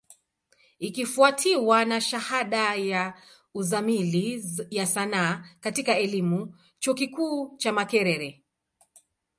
Ikifwatiwa na shahada ya Uzamili ya Sanaa katika elimu, chuo kikuu cha Makerere.